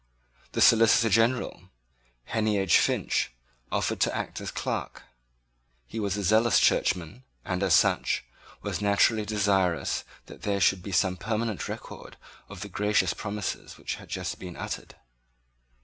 The Solicitor General, Heneage Finch, offered to act as clerk. He was a zealous churchman, and, as such, was naturally desirous that there should be some permanent record of the gracious promises which had just been uttered.